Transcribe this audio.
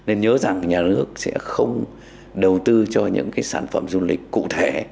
nên nhớ rằng nhà nước sẽ không đầu tư cho những cái sản phẩm du lịch cụ thể